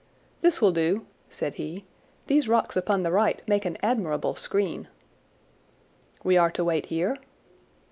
"This will do," said he. "These rocks upon the right make an admirable screen." "We are to wait here?"